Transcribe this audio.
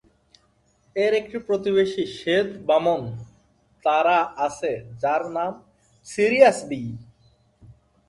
এর একটি প্রতিবেশী শ্বেত বামন তারা আছে যার নাম "সিরিয়াস বি"।